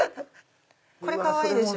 これかわいいでしょ。